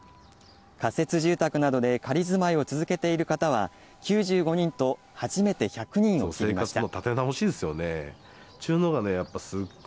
仮設住宅などで仮住まいを続けている方は９５人と初めて１００人を切りました。